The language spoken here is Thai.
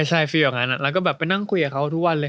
ใช่ฟรีอย่างนั้นแล้วก็แบบไปนั่งคุยกับเขาทุกวันเลย